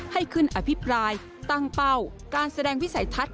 ให้ขึ้นอภิปรายตั้งเป้าการแสดงวิสัยทัศน